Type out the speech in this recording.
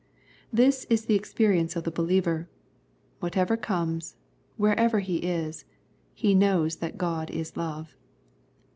This is the experience of the believer. Whatever comes, wherever he is, he knows that " God is love."